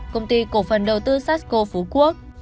công ty cổ phần đầu tư sasko phú quốc